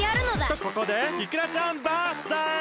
とここでイクラちゃんバースデー！